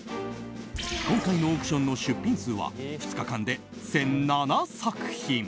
今回のオークションの出品数は２日間で１００７作品。